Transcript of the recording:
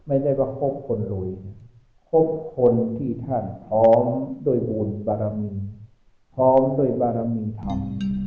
ไม่ได้ว่าคบคนหลุยคบคนที่ท่านท้อมโดยวูลบารมีท้อมโดยบารมีธรรม